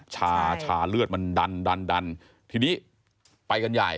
ชาเลือดมันดันดันดันทีนี้ไปกันใหญ่